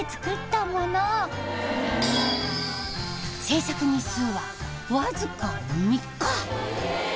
制作日数はわずか３日。